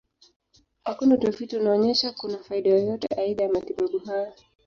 Hakuna utafiti unaonyesha kuna faida yoyote aidha ya matibabu haya.